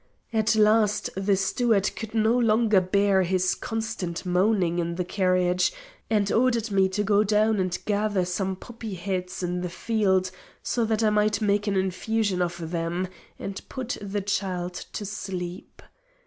At last the steward could no longer bear his constant moaning in the carriage, and ordered me to get down and gather some poppy heads in the field, so that I might make an infusion of them and put the child to sleep.